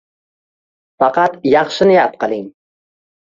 Faqat yaxshi niyat qiling.